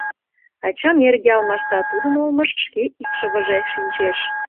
Ачам эрге алмашта, тудын олмыш шке икшывыже шинчеш...